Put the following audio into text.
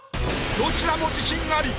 どちらも自信アリ！